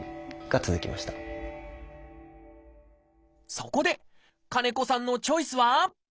そこで金子さんのチョイスは？